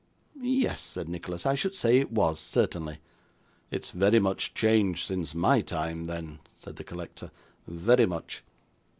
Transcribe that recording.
'Yes,' replied Nicholas, 'I should say it was, certainly.' 'It's very much changed since my time, then,' said the collector, 'very much.